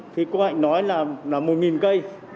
thì cô hạnh nói là một cây